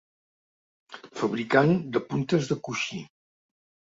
Fabricant de puntes de coixí.